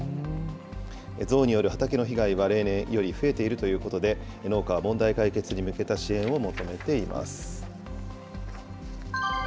ゾウによる畑の被害は例年より増えているということで、農家は問題解決に向けた支援を求めています。